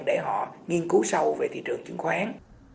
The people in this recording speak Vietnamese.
để họ nghiên cứu sâu về thị trường chứng khoán